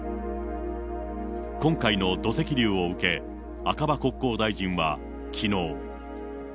今回の土石流を受け、赤羽国交大臣はきのう。